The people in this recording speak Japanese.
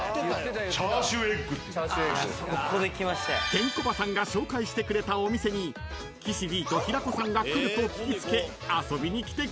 ［ケンコバさんが紹介してくれたお店に岸Ｄと平子さんが来ると聞き付け遊びにきてくれたんです］